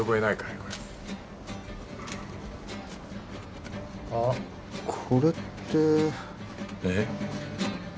これあッこれってえッ？